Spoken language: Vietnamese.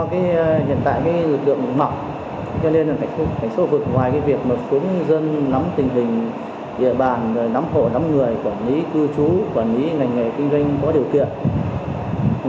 hiện tại lực lượng mỏng cho nên là cảnh sát khu vực ngoài việc khuôn dân nắm tình hình địa bàn nắm hộ nắm người quản lý cư trú quản lý ngành nghề kinh doanh có điều kiện